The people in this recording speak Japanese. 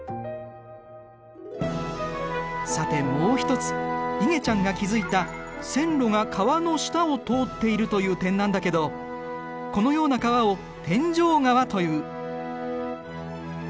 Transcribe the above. さてもう一ついげちゃんが気付いた線路が川の下を通っているという点なんだけどこのような川を天井川という。